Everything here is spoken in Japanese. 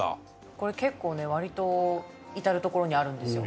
これ結構ね割と至る所にあるんですよ。